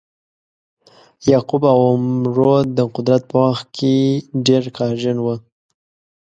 یعقوب او عمرو د قدرت په وخت کې ډیر قهرجن وه.